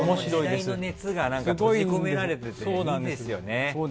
時代の熱が閉じ込められてていいですよね。